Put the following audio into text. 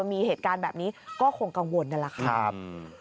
มีเหตุการณ์แบบนี้ก็คงกังวลนั่นแหละครับ